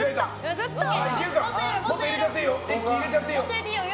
一輝、入れちゃっていいよ。